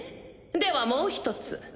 ではもう一つ。